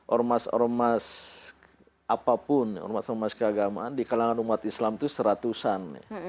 ormas ormas apapun ormas ormas keagamaan di kalangan umat islam itu seratusan